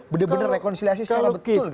benar benar rekonsiliasi secara betul gitu pak